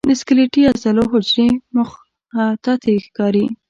د سکلیټي عضلو حجرې مخططې ښکاري.